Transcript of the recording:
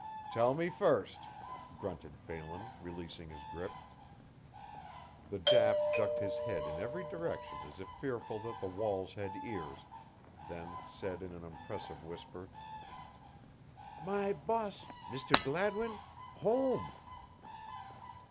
"Tell me first," grunted Phelan, releasing his grip. The Jap ducked his head in every direction as if fearful that the walls had ears, then said in an impressive whisper: "My boss Mr. Gladwin home!"